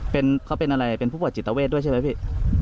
เป็นเขาเป็นอะไรเป็นผู้ป่วยจิตเวทด้วยใช่ไหมพี่